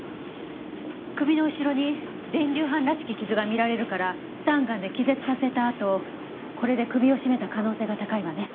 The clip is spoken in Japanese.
首の後ろに電流斑らしき傷が見られるからスタンガンで気絶させたあとこれで首を絞めた可能性が高いわね。